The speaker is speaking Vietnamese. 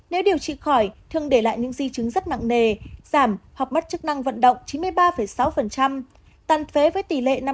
nếu điều trị khỏi thương để lại những di chứng rất nặng nề giảm hoặc mất chức năng vận động chín mươi ba sáu tàn phế với tỷ lệ năm mươi